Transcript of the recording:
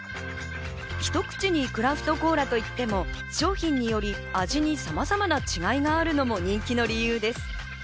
ひと口にクラフトコーラといっても、商品により味にさまざまな違いがあるのも人気の理由です。